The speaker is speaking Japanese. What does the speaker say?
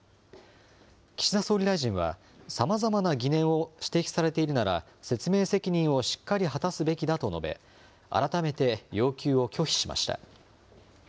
岸田総理大臣は、さまざまな疑念を指摘されているなら、説明責任をしっかり果たすべきだと述べ、改めて要求を拒否しました。